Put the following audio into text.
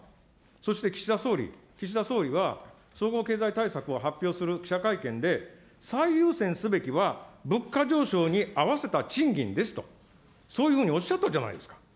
そして、岸田総理、岸田総理は、総合経済対策を発表する記者会見で、最優先すべきは、物価上昇に合わせた賃金ですと、そういうふうにおっしゃったじゃないですか。